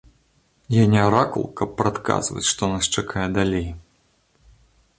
Я не аракул, каб прадказваць, што нас чакае далей.